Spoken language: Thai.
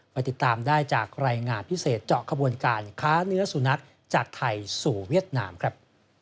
ไปติดตามได้จากรายงานพิเศษเจาะขบวนการค้าเนื้อสุนัขจากไทยสู่เวียดนามครับ